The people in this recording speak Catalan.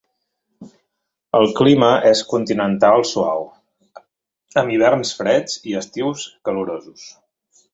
El clima és continental suau, amb hiverns freds i estius calorosos.